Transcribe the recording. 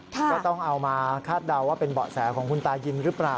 ก็ต้องเอามาคาดเดาว่าเป็นเบาะแสของคุณตายินหรือเปล่า